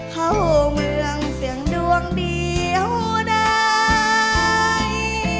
เข้าเมืองเสียงดวงเดียวได้